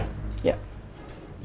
pak fajar ya